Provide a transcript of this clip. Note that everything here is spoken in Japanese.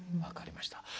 分かりました。